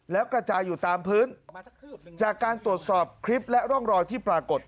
แล้วกระจายอยู่ตามพื้นจากการตรวจสอบคลิปและร่องรอยที่ปรากฏ